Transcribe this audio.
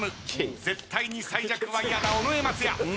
絶対に最弱は嫌だ尾上松也。